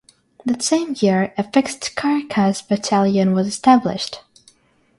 That same year, a Fixed Caracas Battalion was established.